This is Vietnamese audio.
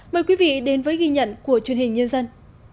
mời quý vị đến với ghi nhận của truyền hình nhân dân